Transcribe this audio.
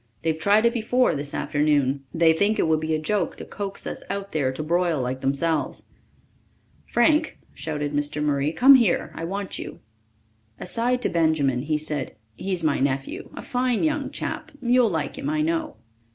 They've tried it before this afternoon. They think it would be a joke to coax us out there to broil like themselves." "Frank," shouted Mr. Murray, "come here, I want you." Aside to Benjamin he said, "He's my nephew a fine young chap. You'll like him, I know."